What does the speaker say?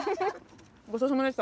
ごちそうさまでした。